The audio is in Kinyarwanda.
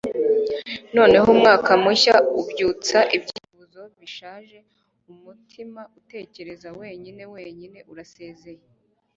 noneho umwaka mushya ubyutsa ibyifuzo bishaje, umutima utekereza wenyine wenyine urasezeye